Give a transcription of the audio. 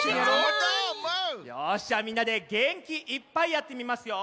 よしじゃあみんなでげんきいっぱいやってみますよ。